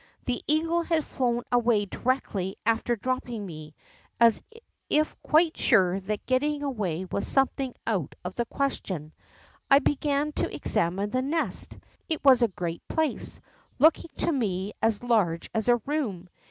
The eagle had floAvn away directly after dropping me, as if quite sure that getting away Avas something out of the question. I began to examine the nest. It Avas a great place, looking to me as large as a room.